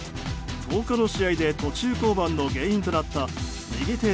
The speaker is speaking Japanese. １０日の試合で途中降板の原因となった右手